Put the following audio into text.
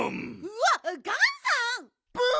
わっガンさん！？